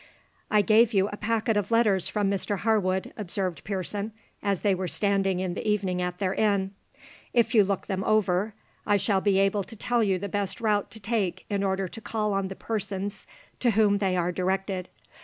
"I gave you a packet of letters from Mr Harwood," observed Pearson, as they were standing in the evening at their inn. "If you look over them, I shall be able to tell you the best route to take in order to call on the persons to whom they are directed.